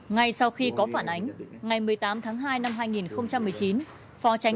ngay sau khi có phản ánh ngày một mươi tám tháng hai năm hai nghìn một mươi chín